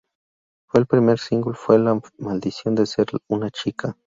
El primer single fue "La maldición de ser una chica".